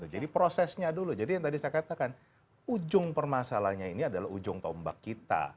jadi prosesnya dulu jadi yang tadi saya katakan ujung permasalahannya ini adalah ujung tombak kita